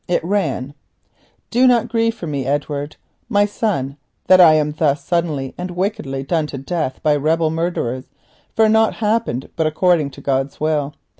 It ran: "_Do not grieve for me, Edward, my son, that I am thus suddenly and wickedly done to death by rebel murderers, for nought happeneth but according to God's will.